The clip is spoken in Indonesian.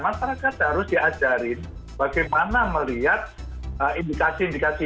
masyarakat harus diajarin bagaimana melihat indikasi indikasi